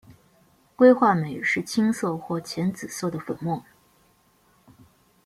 硅化镁是青色或浅紫色的粉末。